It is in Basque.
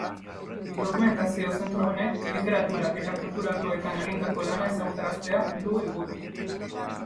Dokumentazio-zentro honek literatura eta kultura arloetan egindako lana ezagutaraztea du helburu.